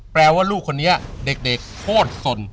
แปลว่าลูกคนนี้เด็กโคตรสน